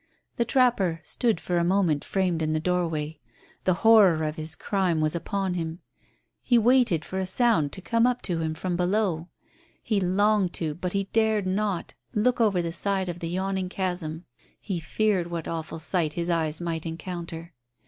The trapper stood for a moment framed in the doorway. The horror of his crime was upon him. He waited for a sound to come up to him from below. He longed to, but he dared not, look over the side of the yawning chasm. He feared what awful sight his eyes might encounter.